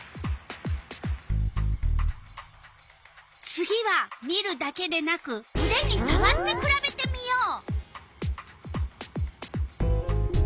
次は見るだけでなくうでにさわってくらべてみよう。